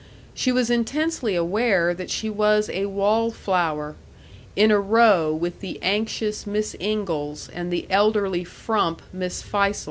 She was intensely aware that she was a wall flower, in a row with the anxious Miss Ingalls and the elderly frump, Miss Fisle.